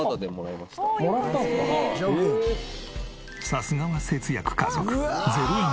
さすがは節約家族。